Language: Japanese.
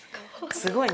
すごい。